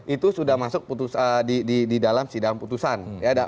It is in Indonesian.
itu sudah masuk di dalam sidang putusan